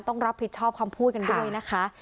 ต้องรับผิดชอบคำพูดกันด้วยนะคะ